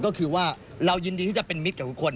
ก็คือว่าเรายินดีที่จะเป็นมิตรกับทุกคน